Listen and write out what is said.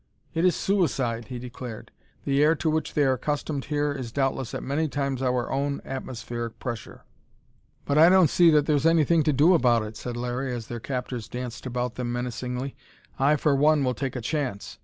"It is suicide!" he declared. "The air to which they are accustomed here is doubtless at many times our own atmospheric pressure." "But I don't see that there's anything to do about it," said Larry, as their captors danced about them menacingly. "I for one will take a chance!"